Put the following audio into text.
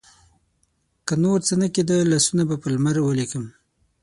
که نورڅه نه کیده، لاسونه به پر لمر ولیکم